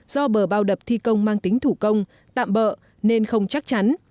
do bờ bao đập thi công mang tính thủ công tạm bỡ nên không chắc chắn